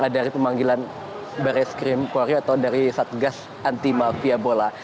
dari pemanggilan barai skrim korea atau dari satgas anti mafia bola